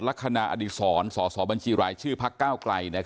ลักษณะอดีตศรสบชภกไกล